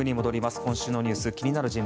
今週のニュース気になる人物